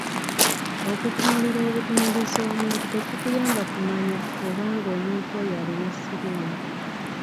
Okutunuulira obutuunuulizi omuntu tekukuyamba kumanya oba ng’omuntu oyo alina siriimu.